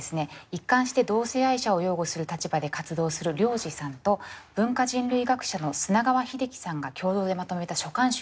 一貫して同性愛者を擁護する立場で活動するＲＹＯＪＩさんと文化人類学者の砂川秀樹さんが共同でまとめた書簡集なんですね。